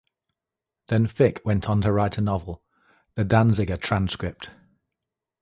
Then Fick went on to write a novel, "The Danziger Transcript".